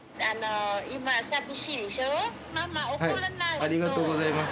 ありがとうございます。